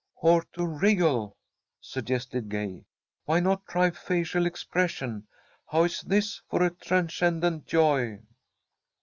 "Or to wriggle," suggested Gay. "Why not try facial expression? How is this for transcendent joy?"